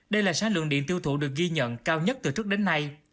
đây là sản lượng điện tiêu thụ được ghi nhận cao nhất từ trước đến nay